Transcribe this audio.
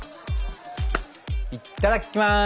いただきます！